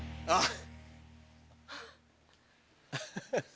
ああ。